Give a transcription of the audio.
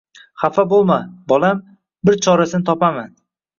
Xafa bo`lma, bolam, bir chorasini topaman